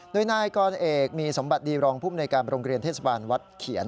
โดยนายกรเอกมีสมบัติดีรองภูมิในการโรงเรียนเทศบาลวัดเขียน